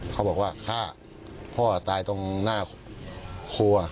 เขาบอกว่าฆ่าพ่อตายตรงหน้าครัว